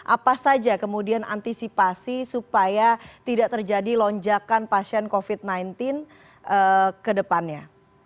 apa saja kemudian antisipasi supaya tidak terjadi lonjakan pasien covid sembilan belas ke depannya